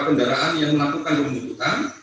kendaraan yang melakukan pembentukan